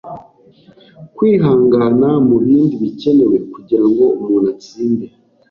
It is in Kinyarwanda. Kwihangana, mubindi, bikenewe kugirango umuntu atsinde.